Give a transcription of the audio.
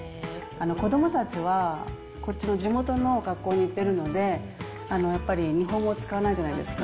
子どもたちは、こっちの地元の学校に行ってるので、やっぱり日本語を使わないじゃないですか。